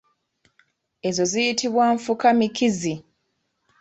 Ezo ziyitibwa nfukamikizi.